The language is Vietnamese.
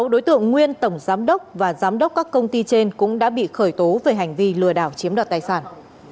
sáu đối tượng nguyên tổng giám đốc và giám đốc các công ty trên cũng đã bị khởi tố về hành vi lừa đảo chiếm đoạt tài sản